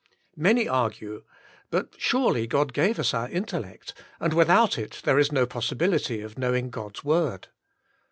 Many argue : But surely God gave us our intel lect, and without it there is no possibility of knowing God's "Word.